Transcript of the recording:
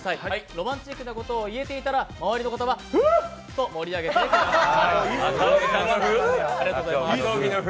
ロマンチックなことを言えていたら周りの人はフゥと盛り上げてください。